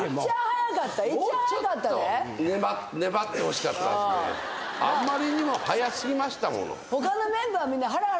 早かったあまりにも早すぎましたもの